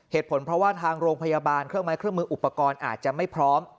เหตุผลเพราะว่าทางโรงพยาบาลเครื่องไม้เครื่องมืออุปกรณ์อาจจะไม่พร้อม